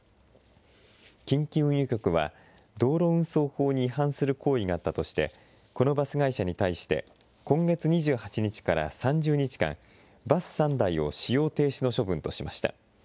近畿運輸局は、道路運送法に違反する行為があったとして、このバス会社に対して、今月２８日から３０日間、バス３台を使用停止の処分としました。